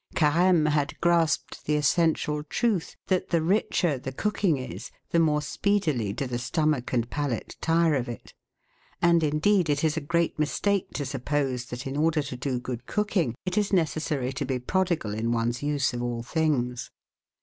Carlme had grasped the essential truth that the richer the cooking is, the more speedily do the stomach and palate tire of it. And, indeed, it is a great mistake to suppose that, in order to do good cooking, it is necessary to be prodigal in one's use of all things.